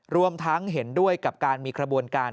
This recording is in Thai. รวมทั้งเห็นด้วยกับการมีขบวนการ